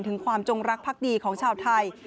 ถึงความจงรักภักดีของชาวไทย